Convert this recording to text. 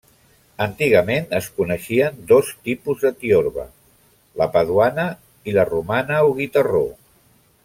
Antigament es coneixien dos tipus de tiorba; la paduana i la romana o guitarró.